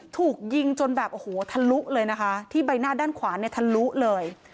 ถูกยิงจนแบบโอ้โหทะลุเลยนะคะที่ใบหน้าด้านขวาเนี่ยทะลุเลย